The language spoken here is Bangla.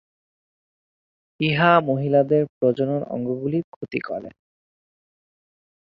ইহা মহিলাদের প্রজনন অঙ্গগুলির ক্ষতি করে।